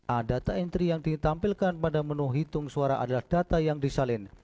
a data entry yang ditampilkan pada menu hitung suara adalah data yang disalin